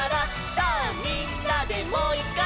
「さぁみんなでもういっかい」